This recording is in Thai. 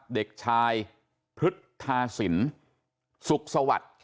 เด็กชายพฤษฐาสินสุขสวัสดิ์